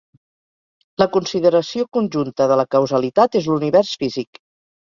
La consideració conjunta de la causalitat és l'univers físic.